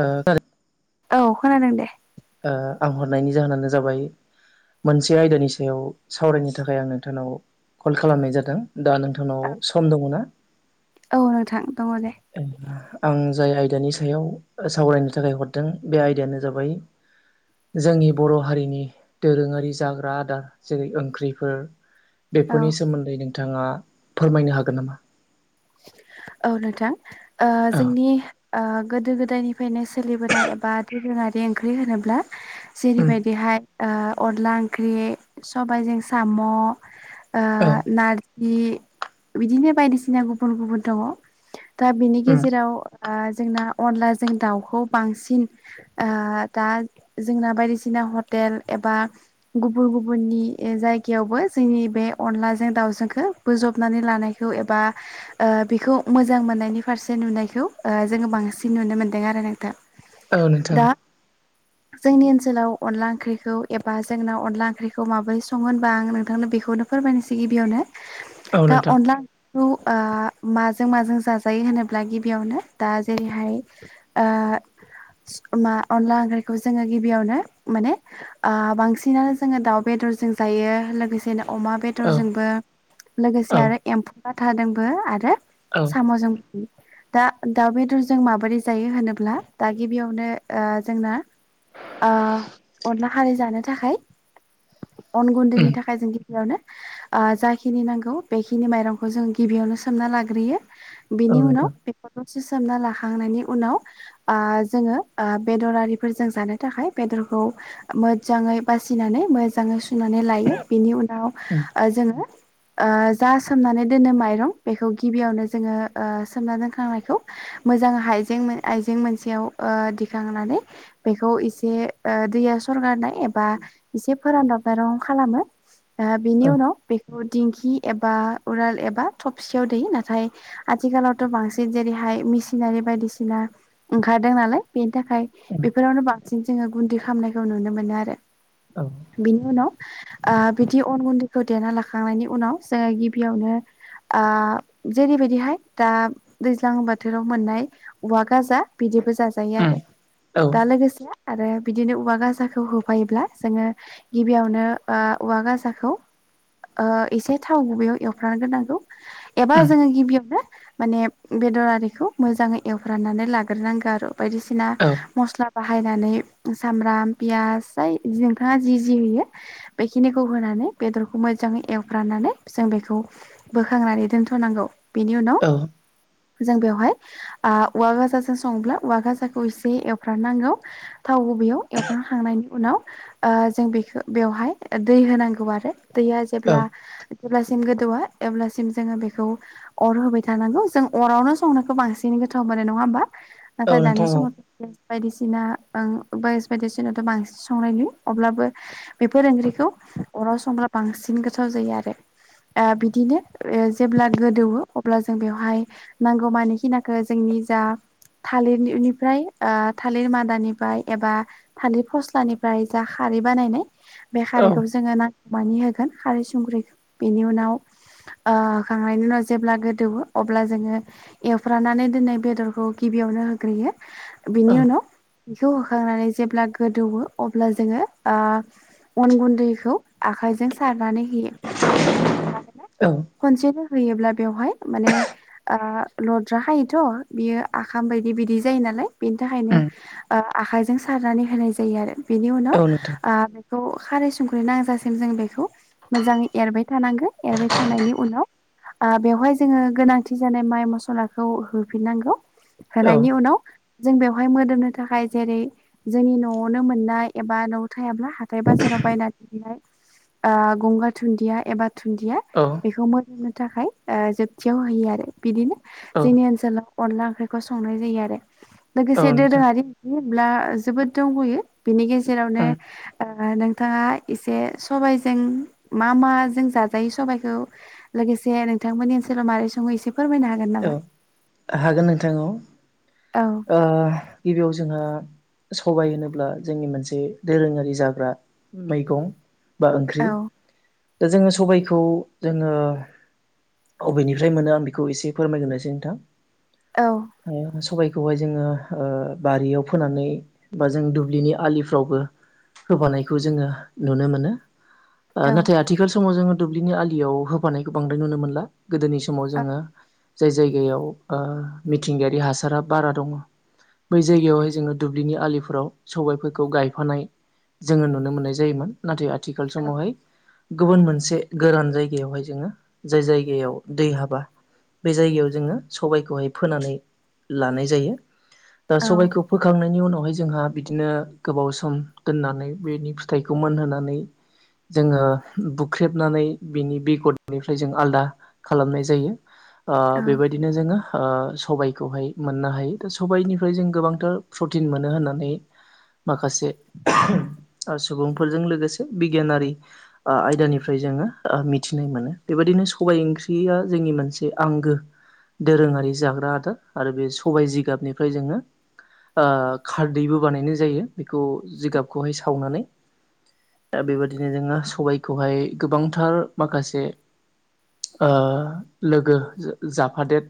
ओ औ खोनादों दे आं हरनायनि जाहोनानो जाबाय मोनसे आयदानि सायाव सावरायनो थाखाय आं नोंथांनाव कल खालामनाय जादों दा नोंथांनाव सम दङ ना औ नोंथां दङ दे आं जाय आयदानि सायाव सावरायनो थाखाय हरदों बे आयदायानो जाबाय [inaudible] जोंनि बर' हारिनि दोरोङारि जाग्रा आदार जेरै ओंख्रिफोर औ बेफोरनि सोमोन्दै नोंथाङा फोरमायनो हागोन नामा औ नोंथां औ जोंनि गोदो गोदायनिफ्रायनो सोलिबोनाय एबा दोरोङारि ओंख्रि होनोब्ला उम जेरैबायदिहाय अनला ओंख्रि सबायजों साम' औ नारजि बिदिनो बायदिसिना गुबुन गुबुन दङ दा बिनि उम गेजेराव जोंना अनला जों दाउखौ बांसिन दा जोंना बायदिसिना हटेल एबा गुबुन गुबुननि जायगायावबो जोंनि बे अनलाजों दाउ खौ बोजबनानै लानायखौ एबा बेखौ मोजां मोननायनि फारसे नुनायखौ जोङो बांसिन नुनो मोन्दों आरो नोंथां औ नोंथां दा जोंनि ओनसोलाव अनला ओंख्रिखौ एबा जोंनााव अनला ओंख्रिखौ माबोरै सङो होनबा आं नोंथांनो बेखौ खौनो फोरमायनोसै गिबियावनो औ दा नोंथां अनलाखौ माजों माजों जाजायो होनोब्ला गिबियावनो दा जेरैहाय [unintelligible] मा अनला ओंख्रिखौ जोङो गिबियावनो माने ओ बांसिनानो जोङो दाउ बेद रजों जायो लोगोसे नो अमा औ बेदरजोंबो लोगोसे औ आरो एम्फौ लाथाजोंबो आरो औ साम जों दा दाउ बेदर जों माबोरै जायो होनोब्ला दा गिबियावनो ओ जोंना ओ अनला खारै जानो थाखाय अन गुन्दैनि उम थाखाय जों गियावनो ओ जाखिनि नांगौ बेखिनि माइरंखौ जों गिबियावनो सोमना लाग्रोयो औ बिनि उनाव नोंथां बेखौ द से सोमना लाखांनायनि उनाव जोङो बेदरारिफोरजों जानो थाखाय बेदर खौ मोजाङै बासिनानै मोजाङै सु नानै लायो बिनि उनाव उम जोङो ओ जा सोमनानै दोनो माइरं बेखौ गिबियावनो जोङो ओ सोमना दोनखांनायखौ मोजां हाइजें आइजें मोनसेयाव दिखांनानै बेखौ एसे ओ दैया सरगारनाय एबा एसे फोरानदब [unintelligible] खालामो ओ बिनि औ उनाव दिंखि एबा उराल एबा थबसियाव [unintelligible] नाथाय आथिखालावथ' बांसिन जेरैहाय मिसिनारि बायदिसिना ओंखारदों नालाय बे थाखाय उम बेफोरावनो बांसिन जोङो गुन्दै खालामामनायखौ नुनो मोनो आरो औ उम बिनि उनाव ओ बिदि अन गुन्दै होदेरना लाखांनायनि उनाव जोङो गिबियावनो आ जेरैबायदिहाय दा दैज्लां बोथोराव मोननाय औवा गाजा बिदि बो जाजायो आरो औ दा लोगोसे आरो बिदिनो औवा गसााखौ होफायोब्ला जोङो गिबियावनो ओ औवा गाजाखौ ओ एसे थाव गुबैयाव एवफ्राम गोरनांगौ एबा उम जोङो गिबियावनो माने बेदर आरिखौ मोजाङै एवफ्रामनानै लाग्रोनांगौ आरो बायदिसिना औ मस्ला बाहायनानै सामब्राम पियास जाय नोंथाङा जि जि होयो बेखिनिखौ होना नै बेदरखौ मोजां एवफ्रामनानै जों बेखौ बोखांनानै दोन थनांगौ बेनि उनाव औ जों बेवहाय आ औवा गाजाजों संब्ला औवा गाजाखौ एसे एवफ्रामनांगौ थाव गुबैयाव एवफ्रामखांनायनि उनाव ओ जों बेखौ बेवहाय दै होनांगौ आरो दैया औ जेब्ला जेब्लासिम गोदौवा अब्लासिम जोङो बे खौ अर होबाय थानांगौ जों अरावनो संनायखौ बांसिन गोथाव मोनो नङा होमबा औ नाथाय दानि नोंथां औ समाव बायदिसिना ओं बायस बायदिसिनाथ' बांसिन संनाय नुयो अब्लाबो बेफोर ओंख्रिखौ अराव संग्रा बांसिन गोथाव जायो आरो ओ बिदिनो जेब्ला गोदौवो अब्ला जों बेवहाय नांगौ मानोखिनाखौ जोंनि जा थालिरनिफ्राय ओ थालिर मादानिफ्राय एबा थालिर फस्लानिफ्राय जा खारै बानायनाय बे औ खारैखौ जोङो नांगौमानि होगोन खारै संख्रिखौ बेनि उनाव ओ होखांनायनि उनाव जेब्ला गोदौवो अब्ला जोङो एवफ्रामनानै दोनै बेदरखौ गिबियावनो होग्रोयो औ बिनि उनाव बेखौ होखांनानै जेब्ला गोदौवो अब्ला जोङो आ अन गुन्दैखौ आ खाइजों सारनानै होयो मानोना औ खनसेनो होयोब्ला बेवहाय माने ओ लद्रा खायोथ' बियो आखाम बायदि बिदि जायो नालाय बिनि थाखायनो उम ओ आखाइजों सारनानै होनाय जायो आरो बेनि उनाव औ नोंथां आ बेखौ खारै संख्रै नांजासिम जों बेखौ मोजाङै एरबाय थानांगोन एरबाय थानायनि उनाव ओ बेवहाय जोङो गोनांथि जानाय माइ मसलाखौ होफिननांगौ। औ होनायनि उनाव जों बेवहाय मोदोमनो थाखाय जेरै जोंनि न'आवनो मोननाय एबा न' थायाब्ला हाथाय बाजाराव बायनानैहाय गंगार धुन्दिया एबा दुुन्दिया मोदोमनो थाखाय जोबथियाव होयो आरो बिदिनो औ जोंनि ओनसोलाव अनला ओंख्रिखौ संनाय जायो आरो औ लोगोसे नोंथां दोरोङारि बिदि होनब्ला जोबोद दंबयो बिनि गेजेरावनो उम ओ नोंथाङा इसे सबाइजों मा माजों जाजायो सबायखौ लोगोसे नोंथांमोननि ओनसोलाव मारै सङो एसे फोरमायनो हागोन औ नामा? हागोन नोंथां औ। औ ओ गिबियाव जोंहा सबाय होनोब्ला जोंनि मोनसे दोरोङारि जाग्रा मैगं बा ओंख्रि औ दा जोङो सबायखौ जोङो बबेनिफ्राय मोनो आं बेखौ एसे फोरमायग्रोनोसै नोंथां। औ सबायखौहाय जोङो बारियाव फोनानै बा जों दुब्लिनि आलिफ्रावबो होफानायखौ जोङो नुनो मोनो। ओ औ नाथाय आथिखाल समाव जोङो दुब्लिनि आलियाव होफानायखौ बांद्राय नुनो मोनला। गोदोनि समाव जोङो जाय जायगायाव ओ मिथिंगायारि हासारा बारा दङ बै जायगायावहाय जोङो दुब्लिनि आलिफोराव सबायफोरखौ गायफानाय जोङो नुनो मोननाय जायोमोन नाथाय आथिखाल समावहाय गुबुन मोनसे गोरान जायगायावहाय जोङो जाय जायगायाव दै हाबा बे जायगायाव जोङो सबायखौहाय फोनानै लानाय जायो। दा औ सबायखौ फोखांनायनि उनाव बेवहाय जोंहा बिदिनो गोबाव सम दोननानै बेनि फिथाइखौ मोनहोनानै जोङो बुख्रेबनानै बिनि बेगदनिफ्राय जों आलदा खालामनाय जायो। ओ औ बेबायदिनो जोङो ओ सबायखौहाय मोननो हायो दा सबायनिफ्राय जों गोबांथार प्रटिन मोनो होननानै माखासे सुबुंफोरजों लोगोसे बिगियानारि आ आयदानिफ्राय जोङो मिथिनाय मोनो बेबायदिनो सबाय ओंख्रिया जोंनि मोनसे आंगो दोरोङारि जाग्रा आदार आरो बे सबाय जिगाबनिफ्राय जोङो ओ खारदैबो बानायनाय जायो बेखौ जिगाबखौहाय सावनानै। दा बेबायदिनो जोङो सबायखौहाय गोबांथार माखासे ओ लोगो जाफादेर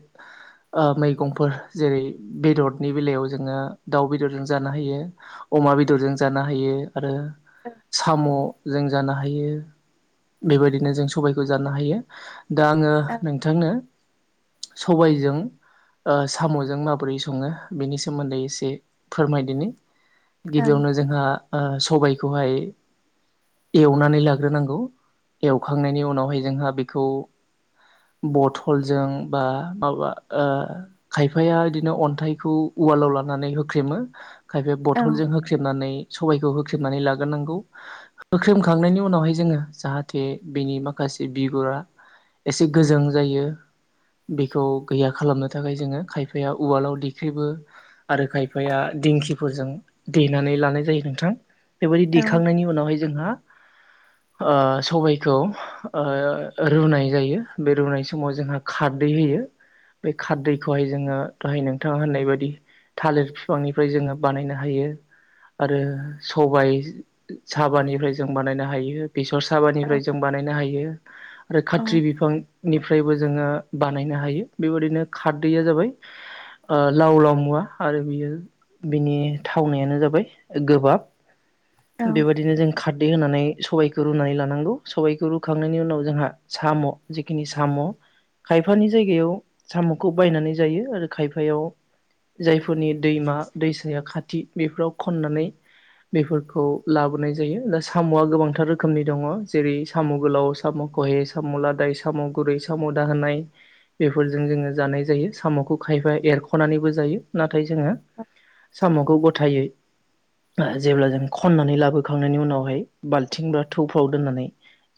ओ मैगंफोर जेरै बेदरनि बेलायाव जोङो दाउ बेदरजों जानो हायो अमा बेदरजों जानो हायो आरो साम' जों जानो हायो बेबायदिनो जों सबायखौ जानो हायो। दा आङो नोंथांनो सबायजों ओ साम'जों माबोरै सङो बेनि सोमोन्दै एसे फोरमायदिनि। औ गिबियावनो जोंहा ओ सबायखौहाय एवनानै लाग्रोनांगौ एवखांनायनि उनावहाय जोंहा बेखौ बथल ल जों बा माबा ओ खायफाया बिदिनो अन्थाइखौ उवालाव लानानै हो ख्रेमो खायफा बथलजों होख्रेमनानै सबायखौ होख्रेमनानै लाग्रोनांगौ होख्रेमखांनायनि उनावहाय जोङो जाहाथे बेनि माखा से बिगुरा एसे गोजों जायो। [inaudible] बेखौ गैया खालामनो थाखाय जोङो खायफाया उवालाव देख्रेबो आरो खायफाया दिं थांखिफोरजों देनानै लानाय जायो नोंथां बेबायदि औ दैखांनायनि उनावहाय जोंहा [inaudible] सबायखौ रुनाय जायो बे रुनाय समाव जोंहा खारदै होयो बे खारदैखौहाय जोङो दहाय नोंथाङा होननाय बायदि थालिर बिफांनिफ्राय जोङो बानायनो हायो आरो सबाय साबानिफ्राय जों बानायनो हायो बेसर औ साबानिफ्राय जों बानायनो हायो आरो खाथ्रि बिफांनिफ्रायबो जोङो बानायनो हायो बेबायदिनो खारदैया जाबाय लाव लाव मुवा आरो बियो बिनि थावनायानो जाबाय गोबाब बेबायदिनो जों खार दै होनानै सबायखौ रुनानै लानांगौ सबायखौ रुखांनायनि उनाव जोंहा साम' जिखिनि साम' खायफानि जायगायाव साम'खौ बायनानै जायो आरो खायफायाव जायफोरनि दैमा दैसाया खाथि बेफोराव खननानै बेफोरखौ लाबोनाय जायो दा साम'वा गोबांथार रोखोमनि दङ जेरै साम' गोलाव साम' खहे सामुलादाय सामगुरै साम' होनाय बेफोरजों जोङो जानाय जायो साम'खौ खायफा एरख'नानैबो जायो ना थाय जोङो साम'खौ गथायै जेब्ला जों खननानै लाबोखांनायनि उनावहाय बाल्थिं बा थौफ्राव दोननानै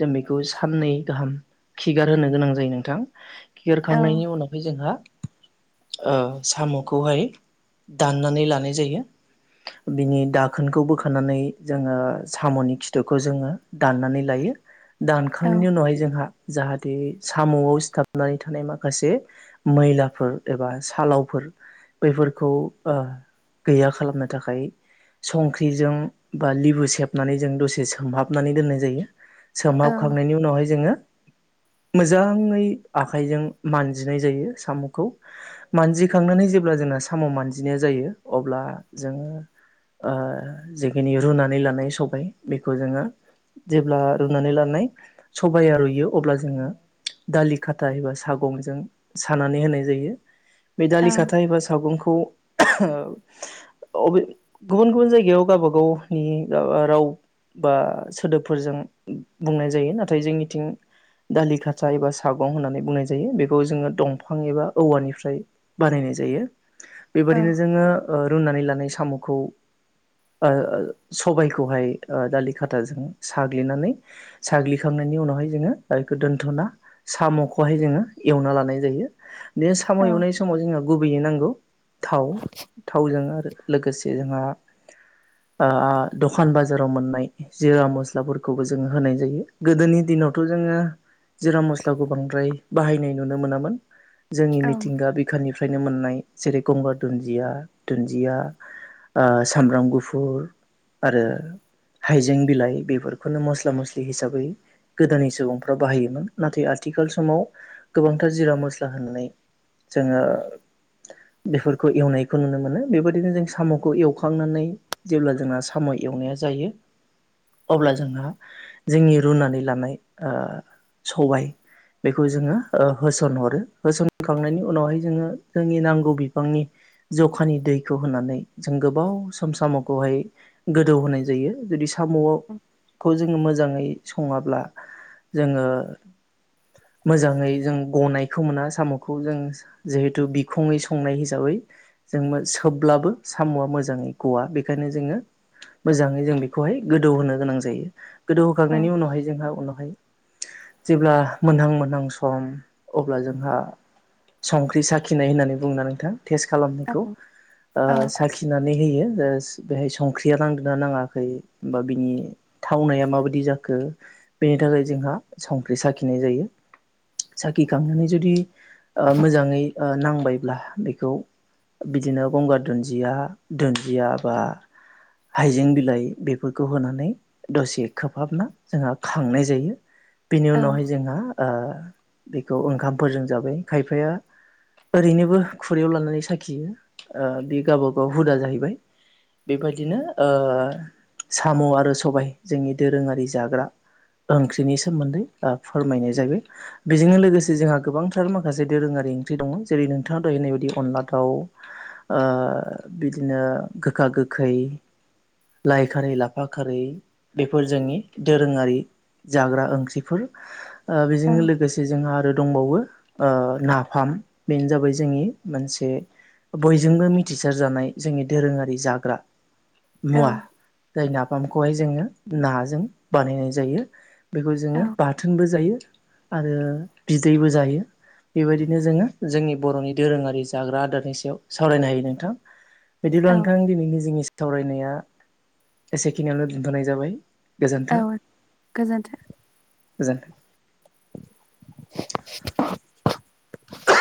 जों बेखौ साननै गाहाम खिगार होनो गोनां जायो नों थां खिगारखांनायनि उनावहाय जोंहा साम'खौहाय दाननानै लानाय जायो बिनि दाखोनखौ बोखानानै जोङो साम'नि खिथुखौ जोङो दाननानै लायो औ दानखांनायनि उनावहाय जोंहा जाहाथे साम' सिथाबनानै थानाय माखासे मैलाफोर एबा सालावफोर बैफोरखौ ओ गैया खालामनो थाखाय संख्रिजों बा लिबु सेबनानै जों दसे सोमहाबनानै दोननाय जायो औ सोमहाबखांनायनि उनावहाय जोङो मोजाङै आखाइजों मानजिनाय जायो साम'खौ मानजिखांनानै जेब्ला जोंना साम' मानजिनाया जायो अब्ला जोङो जिखिनि रुनानै लानाय सबाय बेखौ जोङो जेब्ला रुनानै लानाय सबाया रुइयो अब्ला जोङो दालि खाथा एबा सागंजों सानानै होनाय जायो बे औ दालि खाथा एबा सागंखौ औ गुबुन गुबुन जायगायाव गावबागावनि राव बा सोदोबफोरजों बुंनाय जायो नाथाय जोंनिथिं दालि खाथा एबा सागं होननानै बुंनाय जायो बेखौ जोङो दंफां एबा औवानिफ्राय बानायनाय जायो बेबायदिनो जोङो रुनानै लानाय साम'खौ ओ सबायखौहाय दालि खाथाजों साग्लिनानै साग्लिखांनानै उनावहाय जोङो दा बेखौ दोनथ'ना साम'खौहाय जोङो एवना लानाय जायो बे साम' औ एवनाय समाव जोङो गुबैयै नांगौ थाव थावजों आरो लोगोसे जोंहा दखान बाजाराव मोननाय जिरा मस्लाफोरखौबो जोंङो होनाय जायो गोदोनि दिन दिनावथ' जोङो जिरा मस लाखौ बाहायनाय नुनो मोनामोन जोंनि मिथिंगा बिखानिफ्राय फ्रायनो मोननाय जेरै गंगार दुन्दिया दुन्दिया सामब्राम गुफुर आरो हाइजें बिलाइ बेफोरखौनो मस्ला मस्लि हिसाबै गोदोनि सुबुंफ्रा बाहायोमोन नाथाय आथिखाल समाव गोबांथार जिरा मस्ला होनानै जोङो बेफोरखौ एवनायखौ नुनो मोनो बेबायदिनो जों साम'खौ एवखांनानै जेब्ला जोंना साम' एवनाया जायो अब्ला जोंहा जोंनि रुनानै लानाय ओ सबाय बेखौ जोङो होसनहरो होसनखांनायनि उनावहाय जोङो जोंनि नांगौ बिफांनि जखानि दैखौ होनानै जों गोबाव सम साम'खौहाय गोदौ होनाय जायो जुदि साम'खौ जोङो मोजाङै सङाब्ला जोङो मोजाङै जों गनायखौ मोना साम'खौ जों जिहेथु बिखङै संनाय हिसाबै जों सोबब्लाबो साम'आ मोजाङै गवा बेखायनो जोङो मोजाङै जों बेखौहाय गोदौ होनोनो गोनां जायो। गोदौ औ होखांनायनि उनावहाय जोंहा उनावहाय जेब्ला मोनहां मोनहां सम अब्ला जोंहा संख्रि साखिनाय होननानै बुङोना नोंथां टेस्ट औ खालामनायखौ ओ साखिनानै होयो बेहाय संख्रिया नांदना नाङाखै बा बिनि थावनाया माबायदि जाखो बेनि थाखाय जोंहा संख्रि साखिनाय जायो। साखिखांनानै जुदि मोजाङै नांबायब्ला बेखौ बिदिनो गंगार दुन्दिया दुन्दिया बा हाइजें बिलाइ बेफोरखौ होनानै दसे खोबहाबना जोंहा खांनाय जायो। बिनि उनावहाय औ जोंहा बेखौ ओंखामफोरजों जाबाय खायफाया ओरैनोबो खुरैयाव लानानै साखियो बे गावबागाव हुदा जाहैबाय बेबायदिनो साम' आरो सबाय जोंनि दोरोङारि जाग्रा ओंख्रिनि सोमोन्दै फोरमायनाय जायो बेजोंनो लोगोसे जोंहा गोबांथार माखासे दोरोङारि ओंख्रि दङ जेरै नोंथाङा दहायनाय बायदि अनला दाउ बिदिनो आ गोखा गोखै लाइ खारै लाफा खारै बेफोर जोंनि दोरोङारि जाग्रा ओंख्रिफोर बेजों लोगोसे जोंहा आरो दंबावो ओ नाफाम बेनो जाबाय जोंनि मोनसे बयजोंबो मिथिसार जानाय जोंनि दोरोङारि जाग्रा औ मुवा जाय नाफामखौहाय जोङो नाजों बानायनाय जायो। बेखौ जोङो बाथोनबो जायो आरो बिदैबो जायो। बेबायदिनो जोङो जोंनि बर'नि दोरोङारि जाग्रा आदारनि सायाव सावरायनो हायो नोंथां बिदिब्ला औ नोंथां दिनैनि जोंनि सावरायनाया एसेखिनियावनो दोनथ'नाय जाबाय औ गोजोन्थों गोजोनथों [inaudible]